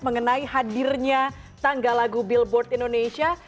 mengenai hadirnya tanggal lagu billboard indonesia